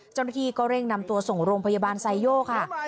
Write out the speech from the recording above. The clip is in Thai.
เจ้าหน้าที่ก็เร่งนำตัวส่งโรงพยาบาลไซโยกค่ะ